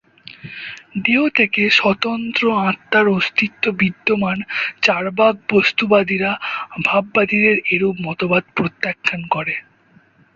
দেহ থেকে স্বতন্ত্র আত্মার অস্তিত্ব বিদ্যমান- চার্বাক বস্ত্তবাদীরা ভাববাদীদের এরূপ মতবাদ প্রত্যাখ্যান করে।